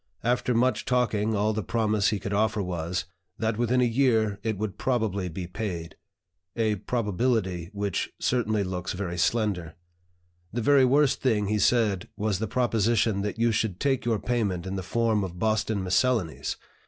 After much talking all the promise he could offer was, 'that within a year it would probably be paid,' a probability which certainly looks very slender. The very worst thing he said was the proposition that you should take your payment in the form of Boston Miscellanies!